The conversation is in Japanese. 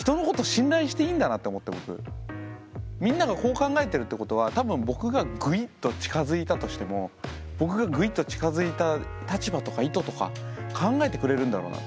みんながこう考えてるってことは多分僕がグイッと近づいたとしても僕がグイッと近づいた立場とか意図とか考えてくれるんだろうなと。